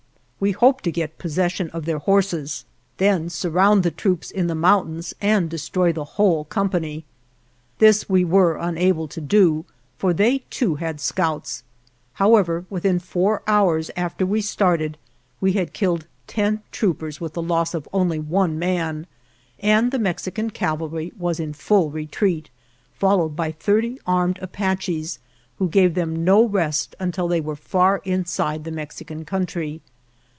We hoped to get possession of their horses, then surround the troops in the 70 •;;'< r r w 3 i 02 O w O o o o c w w o : o w o O G ft w hi ( 5 H o p a m r O a > SUCCESSFUL RAIDS mountains, and destroy the whole company. This we were unable to do, for they, too, had scouts. However, within four hours after we started we had killed ten troopers with the loss of only one man, and the Mexican cavalry was in full retreat, followed by thirty armed Apaches, who gave them no rest until they were far inside the Mexi can country.